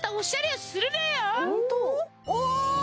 お！